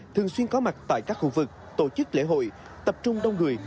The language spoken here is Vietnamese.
thường xuyên có mặt tại các khu vực tổ chức lễ hội tập trung đông người